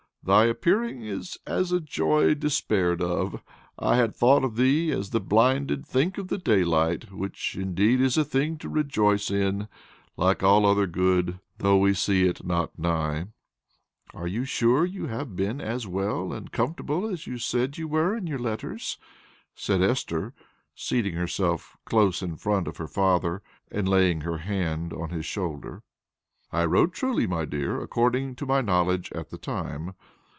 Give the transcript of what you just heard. "Thy appearing is as a joy despaired of. I had thought of thee as the blinded think of the daylight which indeed is a thing to rejoice in, like all other good, though we see it not nigh." "Are you sure you have been as well and comfortable as you said you were in your letters?" said Esther, seating herself close in front of her father and laying her hand on his shoulder. "I wrote truly, my dear, according to my knowledge at the time.